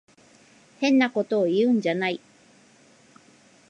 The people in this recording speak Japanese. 変なことを言うんじゃない。